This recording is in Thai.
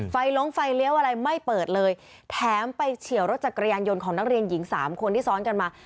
ลงไฟเลี้ยวอะไรไม่เปิดเลยแถมไปเฉียวรถจักรยานยนต์ของนักเรียนหญิงสามคนที่ซ้อนกันมา